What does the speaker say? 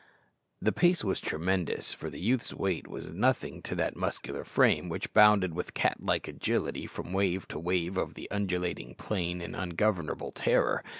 The pace was tremendous, for the youth's weight was nothing to that muscular frame, which bounded with cat like agility from wave to wave of the undulating plain in ungovernable terror.